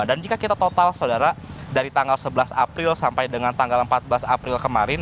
dan jika kita total saudara dari tanggal sebelas april sampai dengan tanggal empat belas april kemarin